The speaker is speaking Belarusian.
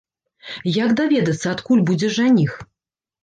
Як даведацца, адкуль будзе жаніх?